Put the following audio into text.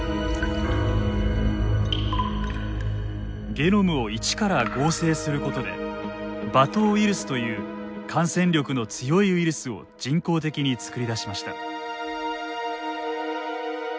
ゲノムを一から合成することで馬とうウイルスという感染力の強いウイルスを人工的に作り出しました。